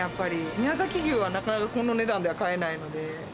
宮崎牛はなかなかこの値段では買えないので。